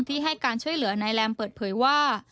ที่ให้การช่วยเหลือนายแรมเปิดเผยว่า